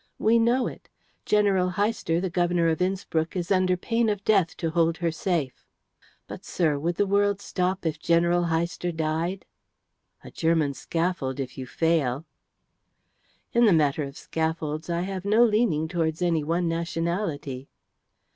We know it. General Heister, the Governor of Innspruck, is under pain of death to hold her safe." "But, sir, would the world stop if General Heister died?" "A German scaffold if you fail." "In the matter of scaffolds I have no leaning towards any one nationality."